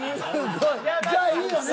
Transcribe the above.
じゃあいいよね？